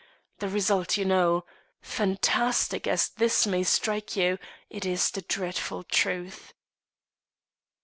The result you know. Fantastic as this may strike you, it is the dreadful truth."